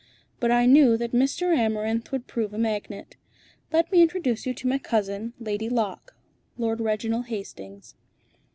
"But I knew that Mr. Amarinth would prove a magnet. Let me introduce you to my cousin, Lady Locke Lord Reginald Hastings."